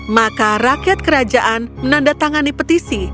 maka rakyat kerajaan menandatangani petisi